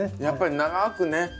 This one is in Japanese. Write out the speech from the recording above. やっぱり長くね。